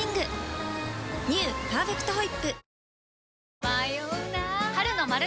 「パーフェクトホイップ」